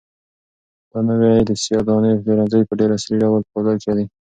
دا نوی د سیاه دانې پلورنځی په ډېر عصري ډول په بازار کې دی.